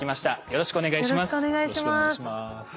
よろしくお願いします。